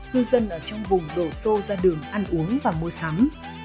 ngư dân ở trong vùng đổ xô ra đường ăn uống và mua sắm